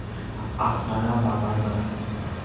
আপনারা বাবার নাম!